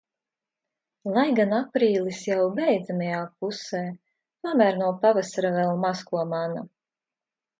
Lai gan aprīlis jau beidzamajā pusē, tomēr no pavasara vēl maz ko mana.